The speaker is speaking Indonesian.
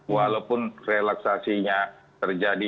walaupun relaksasinya terjadi